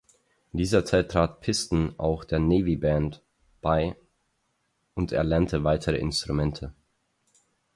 In dieser Zeit trat Piston auch der Navy Band bei und erlernte weitere Instrumente.